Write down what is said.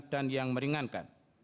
dan yang meringankan